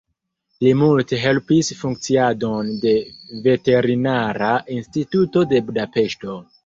Li multe helpis funkciadon de Veterinara Instituto de Budapeŝto.